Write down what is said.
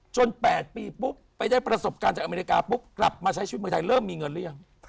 ๘ปีปุ๊บไปได้ประสบการณ์จากอเมริกาปุ๊บกลับมาใช้ชีวิตเมืองไทยเริ่มมีเงินหรือยัง